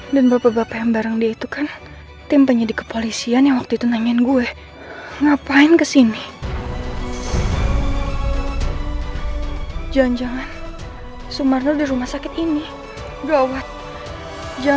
sampai jumpa di video selanjutnya